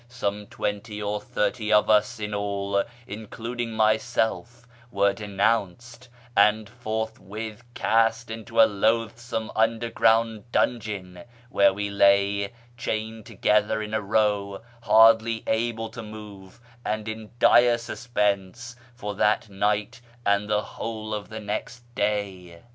Some twenty or thirty of us in all, iiichid iug myself, were denounced, and forthwith cast into a loatli some nndcrgronnd dungeon, whore we lay, chained togctlicr in a row, hardly able to move, and in dire suspense, for that night and the whole of the next day.